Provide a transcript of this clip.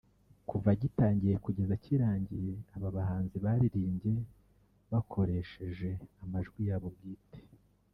kuva gitangiye kugeza kirangiye aba bahanzi baririmbye bakoresheje amajwi yabo bwite